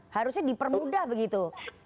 harusnya dipermudah begitu